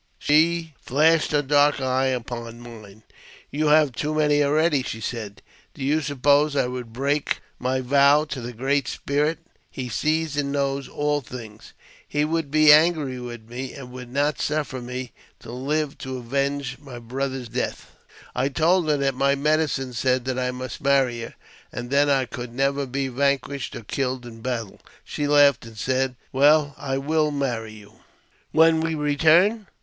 She flashed her dark eye upon mine. •*' You have too many already," she said. " Do you suppose I would break my vow to the Great Spirit ? He sees and knows all things ; he would be angry with me, and would not sufier me to live to avenge my brother's death." I told her that my medicine said that I must marry her, and then I could never be vanquished or killed in battle. She laughed and said, Well, I will marry you." '* When we return